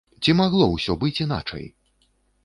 Ці магло ўсё быць іначай?